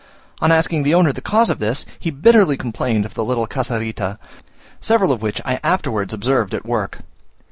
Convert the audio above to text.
On asking the owner the cause of this he bitterly complained of the little casarita, several of which I afterwards observed at work.